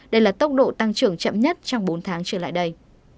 đây là tốc độ tăng trưởng chậm nhất trong bốn tháng trở lại đây